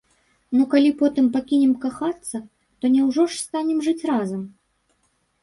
Ну калі потым пакінем кахацца, то няўжо ж станем жыць разам?